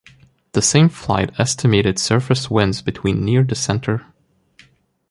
The same flight estimated surface winds between near the center.